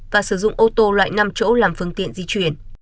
và sử dụng ô tô loại năm chỗ làm phương tiện di chuyển